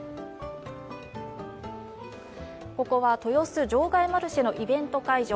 ここは豊洲場外マルシェのイベント会場。